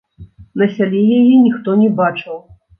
На сяле яе ніхто не бачыў.